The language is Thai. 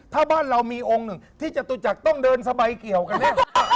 ถ้าบ้านเรามีองค์หนึ่งที่จตุจักรต้องเดินสบายเกี่ยวกันแน่